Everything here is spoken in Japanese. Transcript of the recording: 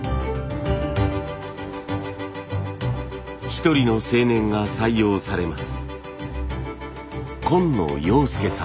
一人の青年が採用されます。